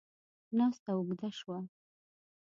ناسته اوږده شوه.